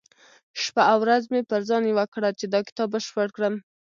شپه او ورځ مې پر ځان يوه کړه چې دا کتاب بشپړ کړم.